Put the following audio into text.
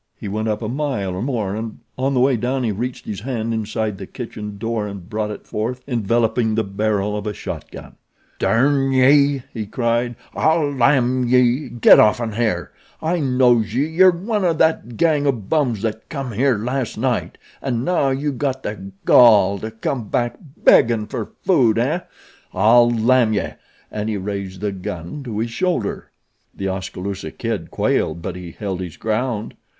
He went up a mile or more, and on the way down he reached his hand inside the kitchen door and brought it forth enveloping the barrel of a shot gun. "Durn ye!" he cried. "I'll lam ye! Get offen here. I knows ye. Yer one o' that gang o' bums that come here last night, an' now you got the gall to come back beggin' for food, eh? I'll lam ye!" and he raised the gun to his shoulder. The Oskaloosa Kid quailed but he held his ground.